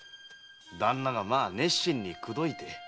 旦那がまあ熱心に口説いて。